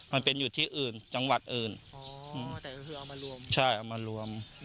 มันเป็นอยู่ที่อื่นจังหวัดอื่นอ๋ออ๋อแต่ก็คือเอามารวมใช่เอามารวม